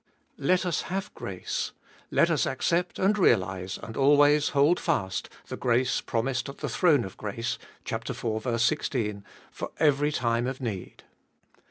Let us have grace— let us accept, and realise, and always hold fast the grace promised at the throne of grace (iv. 16) for every time of need.